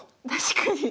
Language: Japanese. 確かに。